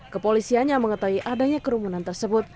kepolisian yang mengetahui adanya kerumunan tersebut